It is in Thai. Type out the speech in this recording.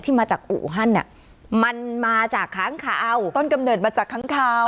มาจากอู่ฮั่นมันมาจากค้างคาเอาต้นกำเนิดมาจากค้างคาว